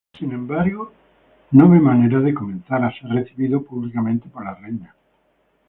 Sin embargo, no ve manera de comenzar a ser recibido públicamente por la reina.